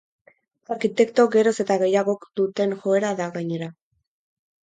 Arkitekto geroz eta gehiagok duten joera da, gainera.